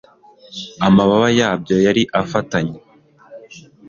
amababa yabyo yari afatanye